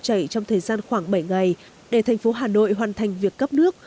chảy trong thời gian khoảng bảy ngày để thành phố hà nội hoàn thành việc cấp nước